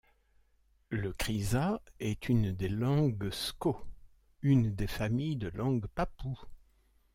Le krisa est une des langues sko, une des familles de langues papoues.